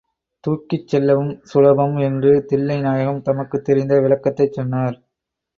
தூக்கிச்செல்லவும் சுலபம் என்று தில்லை நாயகம் தமக்குத் தெரிந்த விளக்கத்தைச் சொன்னார்.